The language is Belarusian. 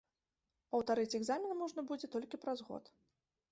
Паўтарыць экзамен можна будзе толькі праз год.